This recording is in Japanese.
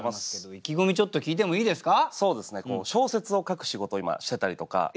意気込みちょっと聞いてもいいですか？